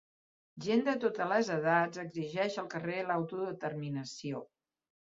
Gent de totes les edats exigeix al carrer l'autodeterminació